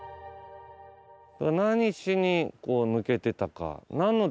何しに抜けてたか。